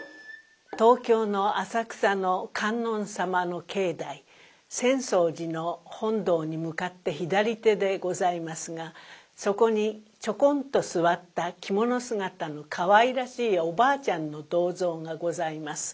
東京の浅草の観音様の境内浅草寺の本堂に向かって左手でございますがそこにちょこんと座った着物姿のかわいらしいおばあちゃんの銅像がございます。